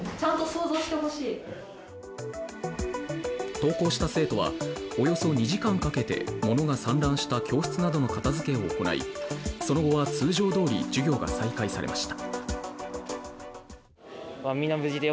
登校した生徒はおよそ２時間かけてものが散乱した教室などの片づけを行いその後は通常どおり授業が再開されました。